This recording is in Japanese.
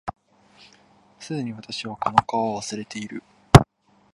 既に私はこの顔を忘れている